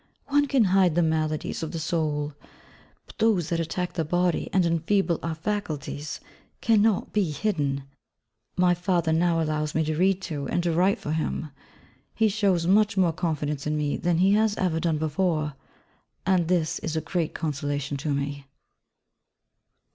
One can hide the maladies of the soul; but those that attack the body and enfeeble our faculties cannot be hidden. My father now allows me to read to and to write for him. He shows much more confidence in me than he has ever done before; and this is a great consolation to me.